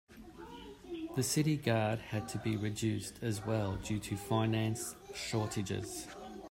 The city guard had to be reduced as well due to finance shortages.